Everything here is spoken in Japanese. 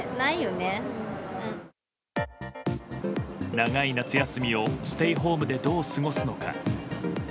長い夏休みをステイホームでどう過ごすのか。